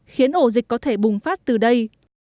khiến ổ dịch có thể bùng phát từ đây